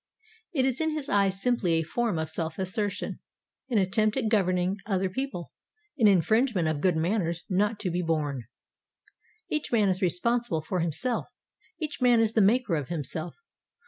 It is in his eyes simply a form of self assertion, an attempt at governing other people, an infringement of good manners not to be borne. Each man is responsible for himself, each man is the maker of himself.